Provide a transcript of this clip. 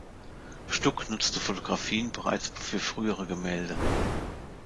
Stuck nutzte Fotografien bereits für frühere Gemälde.